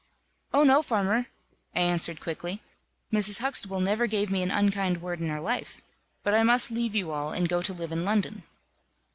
"Oh, no, farmer!" I answered, quickly, "Mrs. Huxtable never gave me an unkind word in her life. But I must leave you all, and go to live in London."